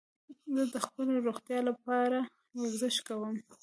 زه د خپلي روغتیا له پاره ورزش کوم.